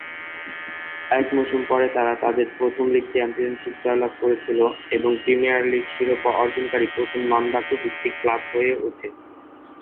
এক মৌসুম পরে তারা তাদের প্রথম লীগ চ্যাম্পিয়নশিপ জয়লাভ করেছিল এবং প্রিমিয়ার লীগ শিরোপা অর্জনকারী প্রথম নন-বাকু-ভিত্তিক ক্লাব হয়ে ওঠে।